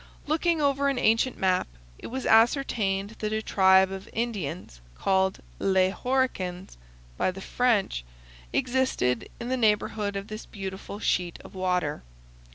Looking over an ancient map, it was ascertained that a tribe of Indians, called "Les Horicans" by the French, existed in the neighborhood of this beautiful sheet of water.